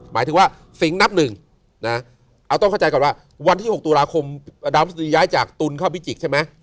หมายถึงว่าสิงห์นับหนึ่งนะเอาต้องเข้าใจก่อนว่าวันที่๖ตุลาคมดาวพฤษฎีย้ายจากตุลเข้าพิจิกษ์ใช่ไหม